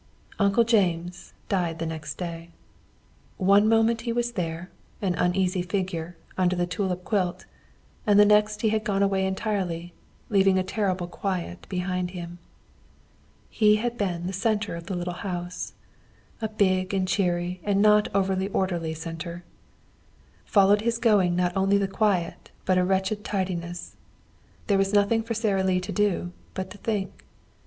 Uncle James died the next day. One moment he was there, an uneasy figure, under the tulip quilt, and the next he had gone away entirely, leaving a terrible quiet behind him. He had been the center of the little house, a big and cheery and not over orderly center. Followed his going not only quiet, but a wretched tidiness. There was nothing for Sara Lee to do but to think.